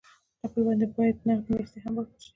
ټپي ته باید نغدې مرستې هم ورکړل شي.